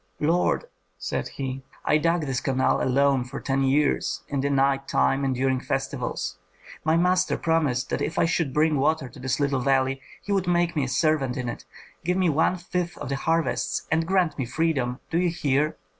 "Lord," said he, "I dug this canal alone for ten years, in the night time and during festivals! My master promised that if I should bring water to this little valley he would make me a servant in it, give me one fifth of the harvests, and grant me freedom do you hear?